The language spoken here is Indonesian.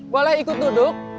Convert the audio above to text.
boleh ikut duduk